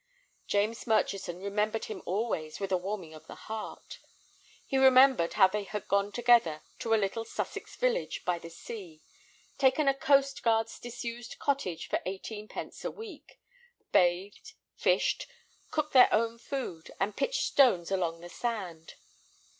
James Murchison remembered him always with a warming of the heart. He remembered how they had gone together to a little Sussex village by the sea, taken a coast guard's disused cottage for eighteen pence a week, bathed, fished, cooked their own food, and pitched stones along the sand.